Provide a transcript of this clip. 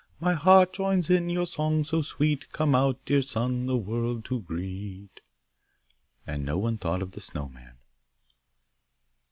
My heart joins in your song so sweet; Come out, dear sun, the world to greet! And no one thought of the Snow man.